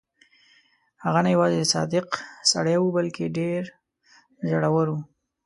هغه نه یوازې صادق سړی وو بلکې ډېر زړه ور وو.